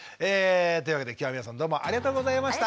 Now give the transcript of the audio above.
というわけで今日は皆さんどうもありがとうございました！